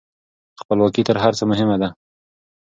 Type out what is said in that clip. خپلواکي تر هر څه مهمه ده.